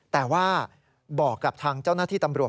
แต่ว่าบอกกับทางเจ้าหน้าที่ตำรวจ